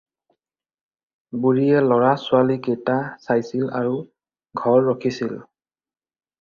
বুঢ়ীয়ে ল'ৰা ছোৱালীকেইটা চাইছিল আৰু ঘৰ ৰখিছিল।